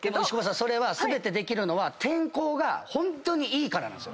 それは全てできるのは天候がホントにいいからなんです。